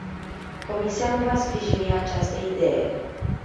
Comisia nu va sprijini această idee.